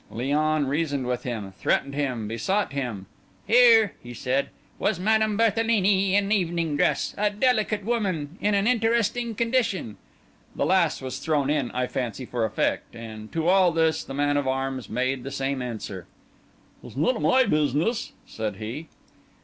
Léon reasoned with him, threatened him, besought him; "here," he said, "was Madame Berthelini in evening dress—a delicate woman—in an interesting condition"—the last was thrown in, I fancy, for effect; and to all this the man at arms made the same answer: "It is none of my business," said he.